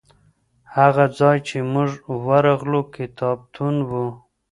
هغه ځای چي موږ ورغلو کتابتون و.